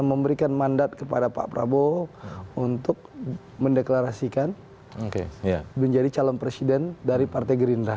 memberikan mandat kepada pak prabowo untuk mendeklarasikan menjadi calon presiden dari partai gerindra